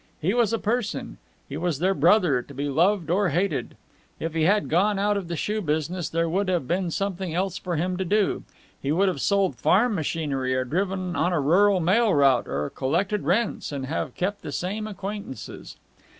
He was a person, he was their brother, to be loved or hated. If he had gone out of the shoe business there would have been something else for him to do he would have sold farm machinery or driven on a rural mail route or collected rents, and have kept the same acquaintances.